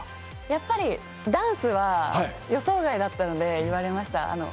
やっぱりダンスは予想外だったので、言われました。